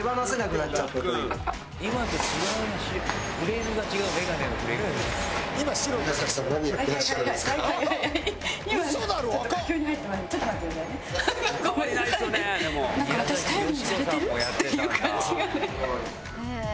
っていう感じがね。